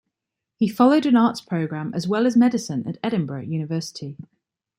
He followed an arts programme as well as Medicine at Edinburgh University.